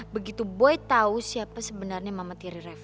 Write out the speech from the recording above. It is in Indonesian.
begitu boy tau siapa sebenarnya mama tiri reva